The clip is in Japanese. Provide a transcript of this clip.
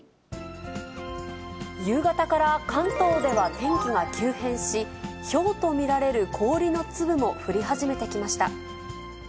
夕方から関東では天気が急変し、ひょうと見られる氷の粒も降り始めてきました。